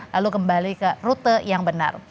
lalu kembali ke rute yang benar